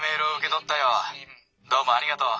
どうもありがとう。